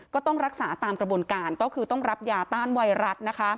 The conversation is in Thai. ก็ต้องรักษาตามกระบวนการก็คือต้องรับยาต้านไวรัส